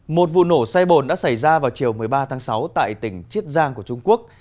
một vụ nổ xe bồn đã xảy ra vào chiều một mươi ba tháng sáu tại tỉnh chiết giang của trung quốc